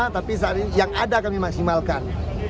tapi saat ini yang ada kami maksimalkan